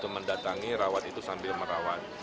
mendatangi rawat itu sambil merawat